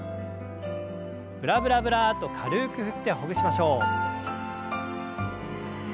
ブラブラブラッと軽く振ってほぐしましょう。